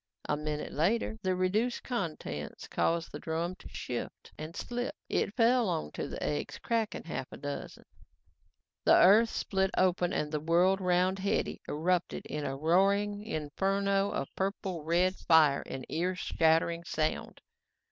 A minute later, the reduced contents caused the drum to shift and slip. It fell onto the eggs, cracking a half dozen. The earth split open and the world around Hetty erupted in a roaring inferno of purple red fire and ear shattering sound.